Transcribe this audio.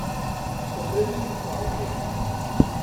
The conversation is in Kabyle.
Terram-iyi deg uɛewwiq.